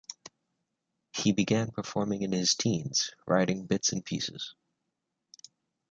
He began performing in his teens, writing bits and pieces.